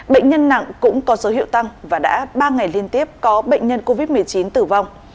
bệnh nhân nặng cũng có dấu hiệu tăng và đã ba ngày liên tiếp có bệnh nhân covid một mươi chín tử vong